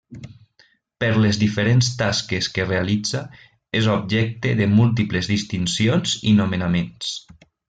Per les diferents tasques que realitza, és objecte de múltiples distincions i nomenaments.